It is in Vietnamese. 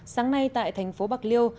sáng nay tại thành phố bạc liêu